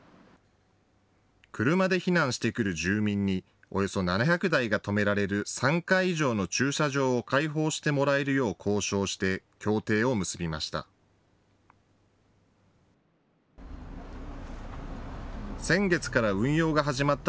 車で避難してくる住民におよそ７００台が止められる３階以上の駐車場を開放してもらえるよう交渉して協定を結びました。